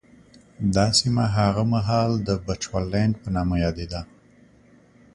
دا سیمه هغه مهال د بچوالېنډ په نامه یادېده.